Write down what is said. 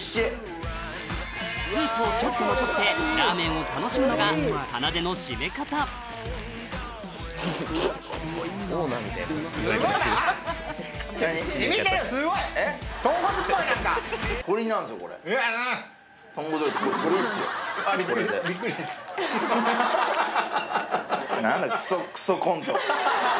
スープをちょっと残してラーメンを楽しむのがかなでの締め方すごい！ハハハハハハ。